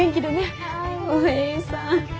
おえいさん